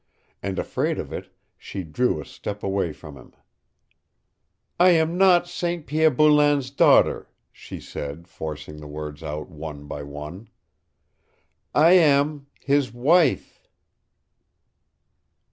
And afraid of it, she drew a step away from him. "I am not St. Pierre Boulain's daughter," she said, forcing the words out one by one. "I am his wife."